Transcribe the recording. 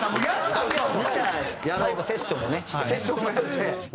最後セッションもねして。